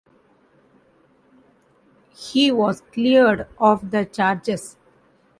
He was cleared of the charges.